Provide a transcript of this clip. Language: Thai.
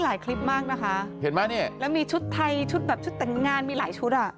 แล้วมีชุดไทยชุดแบบชุดแต่งงานมีหลายชุดอ่ะ